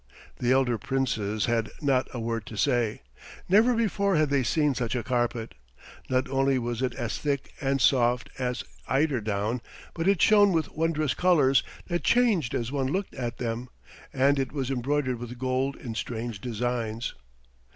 The elder Princes had not a word to say. Never before had they seen such a carpet. Not only was it as thick and soft as eiderdown, but it shone with wondrous colors that changed as one looked at them, and it was embroidered with gold in strange designs.